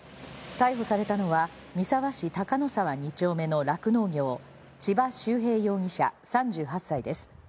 逮捕されたのは、三沢市高野沢２丁目の酪農業、千葉修平容疑者３８歳です。